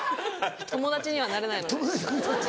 友達にはなれないので。